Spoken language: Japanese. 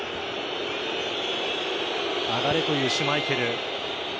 上がれというシュマイケル。